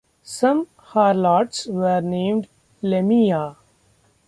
Some harlots were named "Lamia".